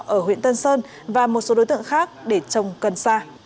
ở huyện tân sơn và một số đối tượng khác để trồng cần sa